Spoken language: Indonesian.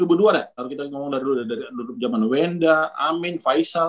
kalau kita ngomong dari duduk zaman wenda amin faisal